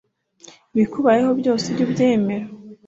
ibikubayeho byose, ujye ubyemera